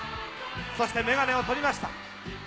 そして眼鏡を取りました。